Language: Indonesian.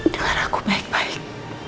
dengar aku baik baik